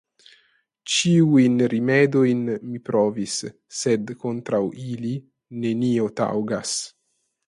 Ĉiujn rimedojn mi provis, sed kontraŭ ili, nenio taŭgas.